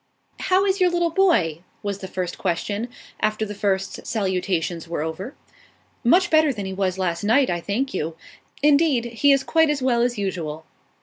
"How is your little boy?" was the first question, after the first salutations were over. "Much better than he was last night, I thank you. Indeed, he is quite as well as usual."